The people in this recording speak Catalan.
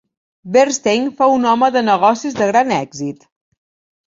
Bernstein fou un home de negocis de gran èxit.